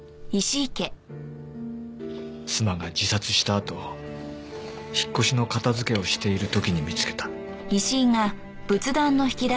妻が自殺したあと引っ越しの片付けをしている時に見つけた。